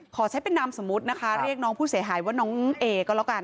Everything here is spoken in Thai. ขอใช้เป็นนามสมมุตินะคะเรียกน้องผู้เสียหายว่าน้องเอก็แล้วกัน